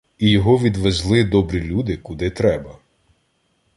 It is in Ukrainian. І його відвезли добрі люди куди треба.